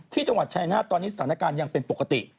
ที่จังหวัดชายนาฏตอนนี้สถานการณ์ยังเป็นปกติ